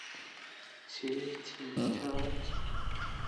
چے، چی، چَہ، چِہ